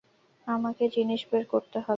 আমাকে জিনিস বের করতে হবে।